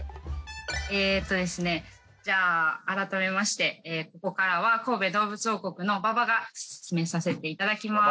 えっとですねじゃあ改めましてここからは神戸どうぶつ王国の馬場が進めさせていただきます。